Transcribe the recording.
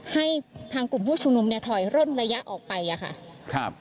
ให้ทางกลุ่มผู้ชุมนุมเนี่ยถอยร่นระยะออกไปอะค่ะครับ